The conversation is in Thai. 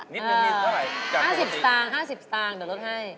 นิดหนึ่งเท่าไหร่จากปกติ๕๐ต่างเดี๋ยวลดให้